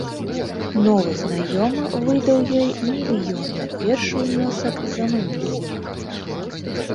Новы знаёмы выдаў ёй мільён на першы ўнёсак за мабільнік.